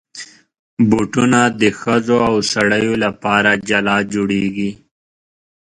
بوټونه د ښځو او سړیو لپاره جلا جوړېږي.